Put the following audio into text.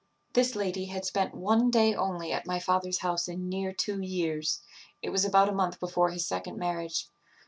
"This lady had spent one day only at my father's house in near two years; it was about a month before his second marriage.